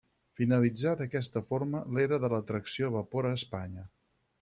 Finalitzà d’aquesta forma l’era de la tracció a vapor a Espanya.